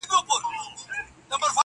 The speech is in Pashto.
• په ټوله ورځ مي ایله وګټله وچه ډوډۍ -